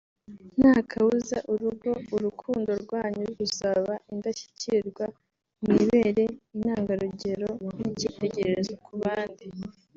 ntakabuza urugo/urukundo rwanyu ruzaba indashyikirwa mwibere intangarugero n’icyitegererezo ku bandi